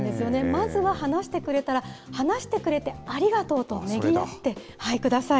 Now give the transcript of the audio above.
まずは話してくれたら、話してくれてありがとうとねぎらってください。